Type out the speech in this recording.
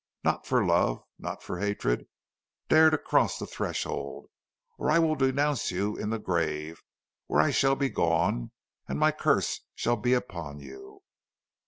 Not for love, not for hatred, dare to cross the threshold, or I will denounce you in the grave where I shall be gone, and my curse shall be upon you."